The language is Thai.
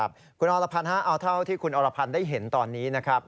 ครับคุณออลภัณฑ์ถ้าว่าคุณออลภัณฑ์ได้เห็นตอนนี้นะครับ